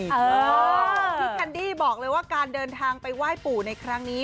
พี่แคนดี้บอกเลยว่าการเดินทางไปไหว้ปู่ในครั้งนี้